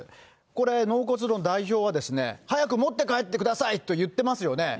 これ、納骨堂の代表は早く持って帰ってくださいと言ってますよね。